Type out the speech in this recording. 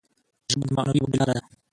ژبه د معنوي ودي لاره ده.